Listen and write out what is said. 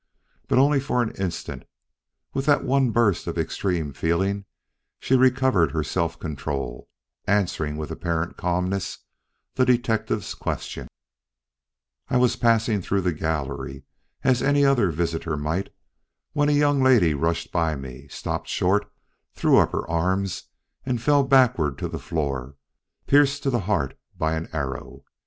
But only for an instant: with that one burst of extreme feeling she recovered her self control, answering with apparent calmness the detective's question: "I was passing through the gallery as any other visitor might, when a young lady rushed by me stopped short threw up her arms and fell backward to the floor, pierced to the heart by an arrow.